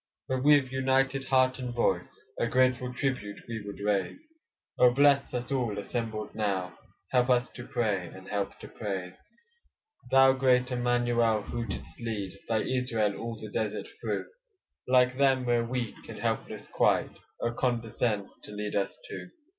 But with united heart and voice, A grateful tribute we would raise; Oh bless us all assembled now, Help us to pray, and help to praise. Thou great Immanuel, who didst lead Thy Israel all the desert through; Like them we're weak and helpless quite, Oh! condescend to lead us too.